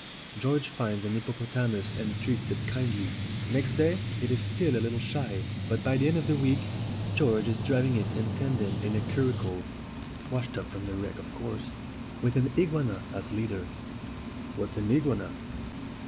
George finds a hippo potamus and treats it kindly. Next day it is still a little shy; but by the end of the week George is driv ing it tandem in a curricle (washed up from the wreck, of course), with an iguana as leader." "What's an iguana?"